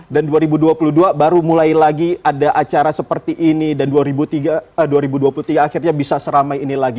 dua ribu dua puluh dua baru mulai lagi ada acara seperti ini dan dua ribu dua puluh tiga akhirnya bisa seramai ini lagi